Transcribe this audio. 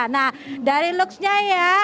nah dari looksnya ya